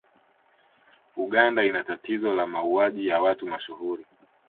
Uganda ina tatizo la mauwaji ya watu mashuhuri